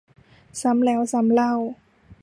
ซ้ำแล้วซ้ำเล่า